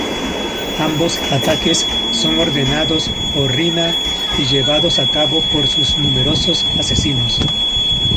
Ambos ataques son ordenados por Riina y llevados a cabo por sus numerosos asesinos.